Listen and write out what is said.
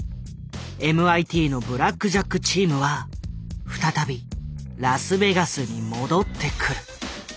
ＭＩＴのブラックジャック・チームは再びラスベガスに戻ってくる。